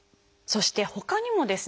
そしてほかにもですね